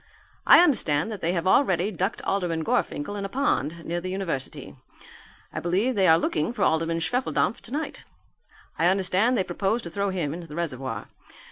I understand that they have already ducked Alderman Gorfinkel in a pond near the university. I believe they are looking for Alderman Schwefeldampf tonight. I understand they propose to throw him into the reservoir.